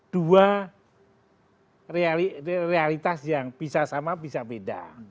dua realitas yang bisa sama bisa beda